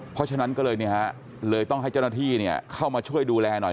เพราะฉะนั้นก็เลยเลยต้องให้เจ้าหน้าที่เข้ามาช่วยดูแลหน่อย